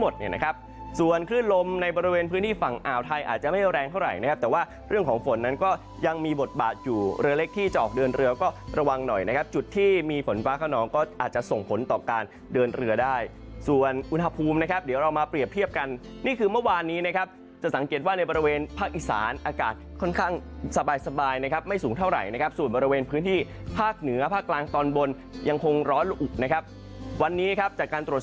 เดินเรือก็ระวังหน่อยนะครับจุดที่มีฝนฟ้าเข้าน้องก็อาจจะส่งผลต่อการเดินเรือได้ส่วนอุณหภูมินะครับเดี๋ยวเรามาเปรียบเทียบกันนี่คือเมื่อวานนี้นะครับจะสังเกตว่าในบริเวณภาคอิสานอากาศค่อนข้างสบายสบายนะครับไม่สูงเท่าไหร่นะครับส่วนบริเวณพื้นที่ภาคเหนือภาคกลางตอนบนยังคงร้